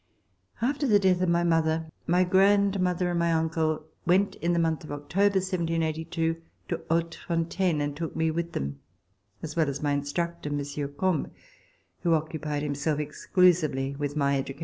After the death of my mother, my grandmother and my uncle went in the month of October, 1782, to Hautefontaine and took me with them, as well as my instructor Monsieur Combes, who occupied him self exclusively with my education.